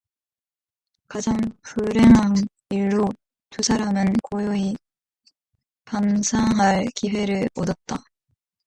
가장 불행한 일로 두 사람은 고요히 반성할 기회를 얻었다.